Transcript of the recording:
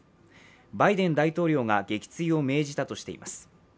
バイデン大統領が撃墜を命じたとしています。